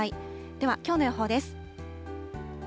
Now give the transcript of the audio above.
ではきょうの予報です。